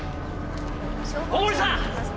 大森さん！